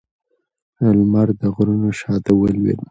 لمر د غرونو شا ته ولوېد